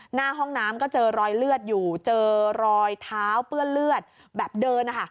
หน้าห้องน้ำก็เจอรอยเลือดอยู่เจอรอยเท้าเปื้อนเลือดแบบเดินนะคะ